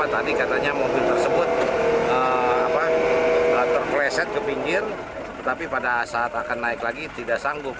tadi katanya mobil tersebut terpleset ke pinggir tetapi pada saat akan naik lagi tidak sanggup